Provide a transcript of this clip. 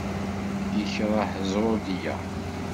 Yekreh zzruḍya.